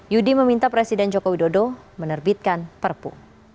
yudi meminta presiden joko widodo menerbitkan perpu